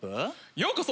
ようこそ！